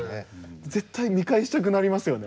絶対見返したくなりますよね。